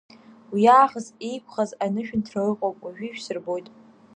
Уиаахыс еиқәхаз анышәынҭра ыҟоуп, уажәы ишәсырбоит.